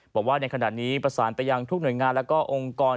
บอกว่าในขณะนี้ประสานไปยังทุกหน่วยงานและองค์กร